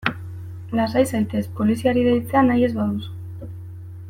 Lasai zaitez poliziari deitzea nahi ez baduzu.